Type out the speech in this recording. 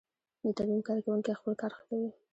د ترمیم کارکوونکی خپل کار ښه کوي.